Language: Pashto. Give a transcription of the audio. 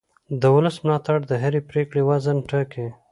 د ولس ملاتړ د هرې پرېکړې وزن ټاکي